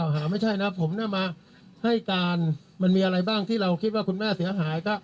ให้การมันมีอะไรบ้างที่เราคิดว่าคุณแม่เสียหาย